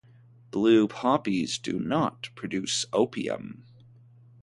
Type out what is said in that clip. Blue poppies do not produce opium.